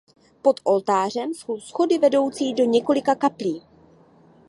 Pod oltářem jsou schody vedoucí do několika kaplí.